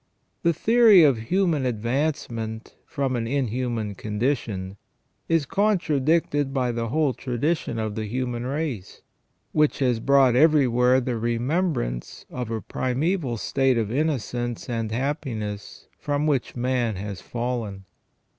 The theory of human advancement from an inhuman condi tion is contradicted by the whole tradition of the human race, which has brought everywhere the remembrance of a primaeval state of innocence and happiness from which man has fallen.